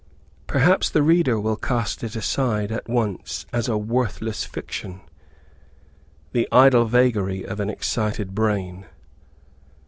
Perhaps the reader will cast it aside at once as a worthless fiction, the idle vagary of an excited brain.